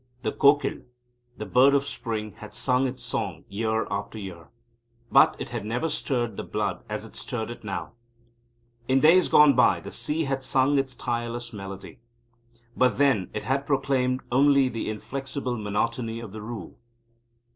The Kokil, the bird of Spring, had sung its song year after year. But it had never stirred the blood as it stirred it now. In days gone by the sea had sung its tireless melody. But, then, it had proclaimed only the inflexible monotony of the Rule.